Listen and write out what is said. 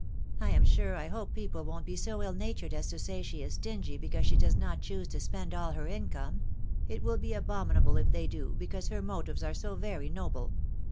JI am sure I hope people won't be bo 'ffl amtwred as to say she is stingy because she does not choose so spend all %er income. ;~ at will be atyominsMe if they >4o, 'because her motives are so very noble."